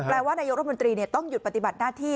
แปลว่านายกรมนตรีต้องหยุดปฏิบัติหน้าที่